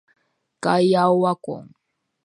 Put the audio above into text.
ガイアオワコン